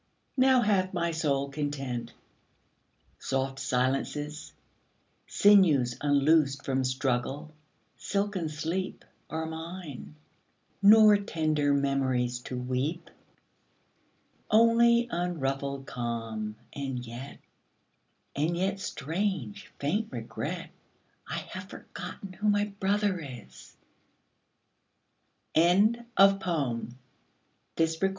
Now hath my soul content. Soft silences, Sinews unloosed from struggle, silken sleep, 27 Are mine; nor tender memories to weep. Only unruffled calm; and yet — and yet — Strange, faint regret — I have forgotten who my brother is! — Helen Coale Crew.